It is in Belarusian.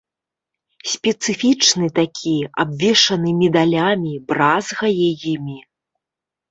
Спецыфічны такі, абвешаны медалямі, бразгае імі.